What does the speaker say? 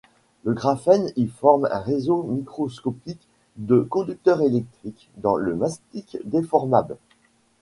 Le graphène y forme un réseau microscopique de conducteurs électriques dans le mastic déformable.